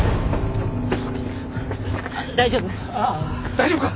大丈夫か？